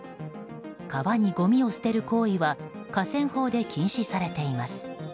川にごみを捨てる行為は河川法で禁止されています。